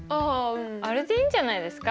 あれでいいんじゃないですか？